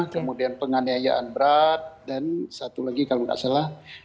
kemudian penganiayaan berat dan satu lagi kalau tidak salah